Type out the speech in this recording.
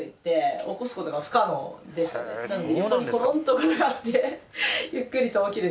コロンとやってゆっくりと起きる。